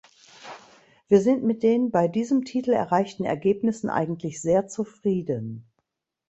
Wir sind mit den bei diesem Titel erreichten Ergebnissen eigentlich sehr zufrieden.